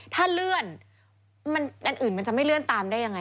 ถ้าเลื่อนอันอื่นมันจะไม่เลื่อนตามได้ยังไง